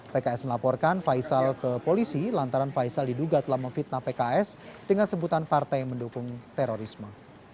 pks melaporkan faisal ke polisi lantaran faisal diduga telah memfitnah pks dengan sebutan partai yang mendukung terorisme